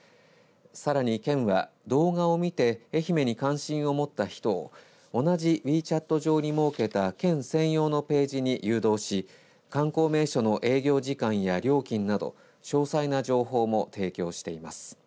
さらに県は、動画を見て愛媛に関心を持った人を同じＷｅＣｈａｔ上に設けた県専用のページに誘導し観光名所の営業時間や料金など詳細な情報も提供しています。